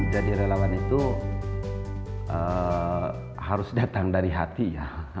jadi relawan itu harus datang dari hati ya